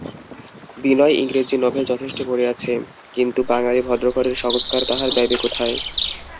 বিনয় ইংরেজি নভেল যথেষ্ট পড়িয়াছে, কিন্তু বাঙালি ভদ্রঘরের সংস্কার তাহার যাইবে কোথায়?